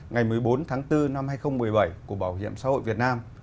ngày một mươi bốn tháng bốn năm hai nghìn một mươi bảy của bảo hiểm xã hội việt nam